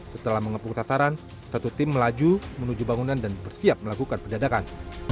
setelah mengepung sasaran satu tim melaju menuju bangunan dan bersiap melakukan pendadakan